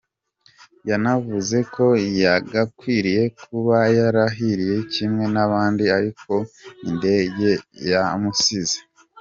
Yanavuze ko yagakwiriye kuba yarahiriye kimwe n’abandi ariko ko indege yamusize.